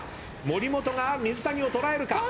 森本が水谷を捉えるか。